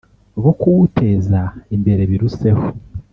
bo kuwuteza imbere biruseho